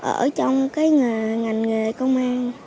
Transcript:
ở trong cái ngành nghề công an